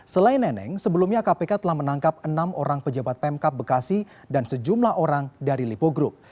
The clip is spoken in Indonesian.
selain neneng sebelumnya kpk telah menangkap enam orang pejabat pemkap bekasi dan sejumlah orang dari lipo group